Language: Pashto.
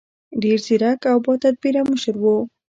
ډېر ځیرک او باتدبیره مشر و.